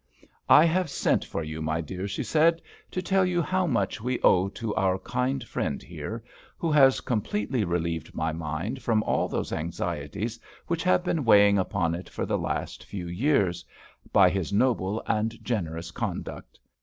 "I have sent for you, my dear," she said, "to tell you how much we owe to our kind friend here, who has completely relieved my mind from all those anxieties which have been weighing upon it for the last few years, by his noble and generous conduct.